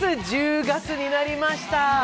１０月になりました。